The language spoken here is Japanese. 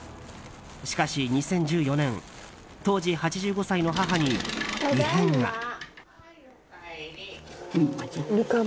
しかし２０１４年当時８５歳の母に異変が。